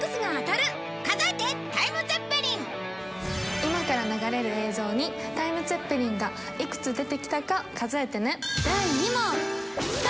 今から流れる映像にタイムツェッペリンがいくつ出てきたか数えてね。